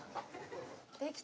できた！